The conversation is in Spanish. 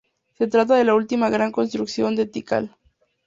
Se trata de la última gran construcción de Tikal.